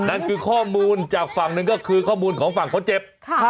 นั่นคือข้อมูลจากฝั่งหนึ่งก็คือข้อมูลของฝั่งคนเจ็บ